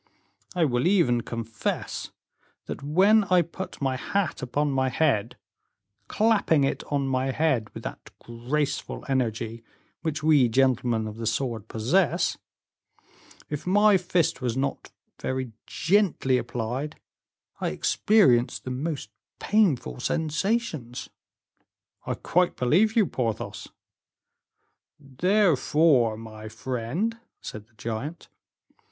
I will even confess, that when I put my hat upon my head, clapping it on my head with that graceful energy which we gentlemen of the sword possess, if my fist was not very gently applied, I experienced the most painful sensations." "I quite believe you, Porthos." "Therefore, my friend," said the giant, "M.